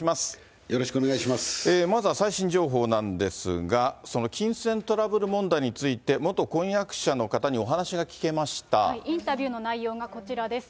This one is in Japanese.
まずは最新情報なんですが、その金銭トラブル問題について、インタビューの内容がこちらです。